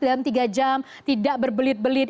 dalam tiga jam tidak berbelit belit